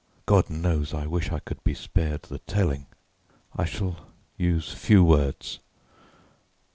God knows I wish I could be spared the telling. I shall use few words.